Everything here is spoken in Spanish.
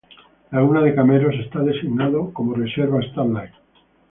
Laguna de Cameros está designado como reserva StarLight.